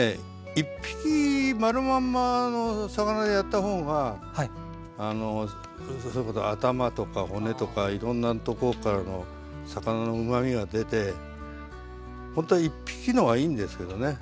一匹丸まんまの魚でやった方があのそれこそ頭とか骨とかいろんなとこからの魚のうまみが出てほんとは一匹の方がいいんですけどね。